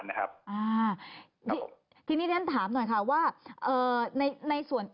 ทางที่นี่มีอในส่วน